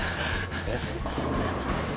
えっ？